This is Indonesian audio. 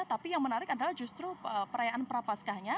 tapi yang menarik adalah justru perayaan prapaskahnya